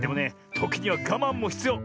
ときにはがまんもひつよう！